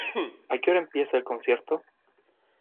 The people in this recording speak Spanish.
¿A qué hora empieza el concierto?